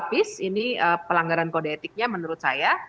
tapi ini pelanggaran kode etiknya menurut saya